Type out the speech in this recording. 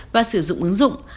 và sử dụng ứng dụng